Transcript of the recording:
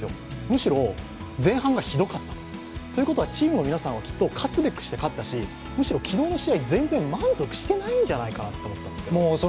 むしろ前半がひどかったと。ということはチームの皆さんは勝つべくして勝ったし昨日の試合、むしろ全然満足してないんじゃないかなと。